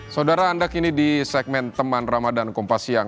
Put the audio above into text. saudara anda kini di segmen teman ramadhan kompas siang